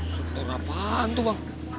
sudah apaan tuh bang